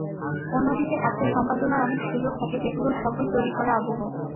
অন্যদিকে অ্যাপে সম্পাদনার অনেক সুযোগ থাকে, যেগুলোর সবই তৈরি করা আবহ।